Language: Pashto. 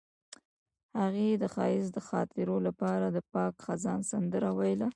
هغې د ښایسته خاطرو لپاره د پاک خزان سندره ویله.